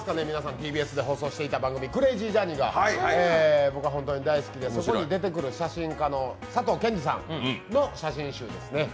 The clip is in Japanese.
ＴＢＳで放送していた「クレイジージャーニー」が本当に大好きで、そこに出てくる写真家の佐藤健寿さんの写真集ですね。